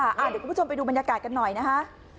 เดี๋ยวคุณผู้ชมไปดูบรรยากาศกันหน่อยนะคะ